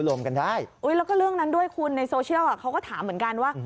รวมกันได้แล้วก็เรื่องนั้นด้วยคุณในโซเชียลเขาก็ถามเหมือนกันว่า